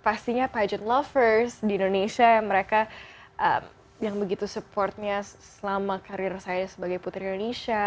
pastinya paget lovers di indonesia yang mereka yang begitu supportnya selama karir saya sebagai putri indonesia